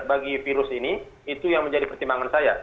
bagi virus ini itu yang menjadi pertimbangan saya